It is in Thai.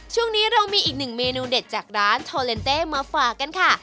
ช่วงนี้เรามีอีกหนึ่งเมนูเด็ดจากร้านโทเลนเต้มาฝากกันค่ะ